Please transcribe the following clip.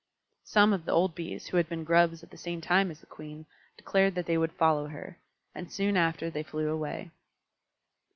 Some of the old Bees, who had been Grubs at the same time as the Queen, declared that they would follow her. And soon after they flew away.